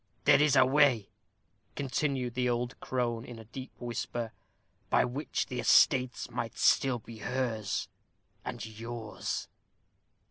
"There is a way," continued the old crone, in a deep whisper, "by which the estates might still be hers and yours."